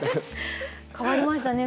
変わりましたね。